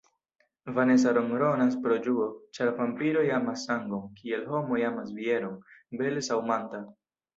Vanesa ronronas pro ĝuo, ĉar vampiroj amas sangon, kiel homoj amas bieron: bele ŝaŭmanta.